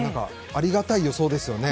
ありがたい予想ですよね。